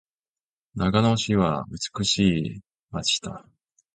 長野市は美しい街だ。